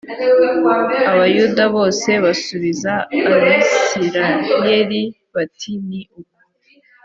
abayuda bose basubiza abisirayeli bati ni uko